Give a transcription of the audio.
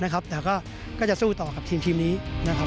แต่ก็จะสู้ต่อกับทีมนี้นะครับ